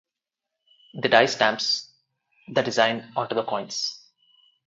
The die stamps the design onto the coins.